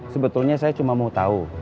sebetulnya saya cuma mau tahu